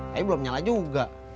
tapi belum nyala juga